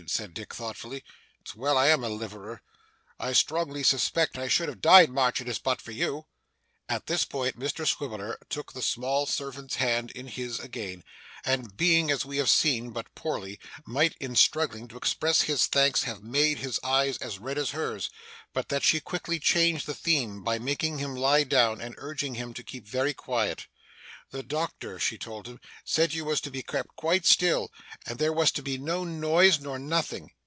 said Dick thoughtfully. 'It's well I am a liverer. I strongly suspect I should have died, Marchioness, but for you.' At this point, Mr Swiveller took the small servant's hand in his again, and being, as we have seen, but poorly, might in struggling to express his thanks have made his eyes as red as hers, but that she quickly changed the theme by making him lie down, and urging him to keep very quiet. 'The doctor,' she told him, 'said you was to be kept quite still, and there was to be no noise nor nothing.